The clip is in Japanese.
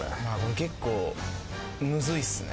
結構むずいっすね。